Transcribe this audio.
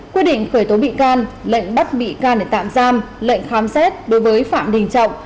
quyết định khởi tố bị can lệnh bắt bị can để tạm giam lệnh khám xét đối với phạm đình trọng